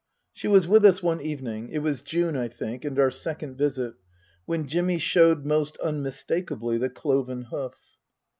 She was with us one evening (it was June, I think, and our second visit), when Jimmy showed most unmistakably the cloven hoof.